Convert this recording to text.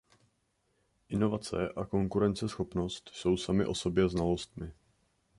Inovace a konkurenceschopnost jsou samy o sobě znalostmi.